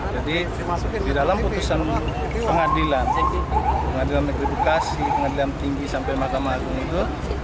jadi di dalam putusan pengadilan pengadilan negeri bekasi pengadilan tinggi sampai mahkamah agung itu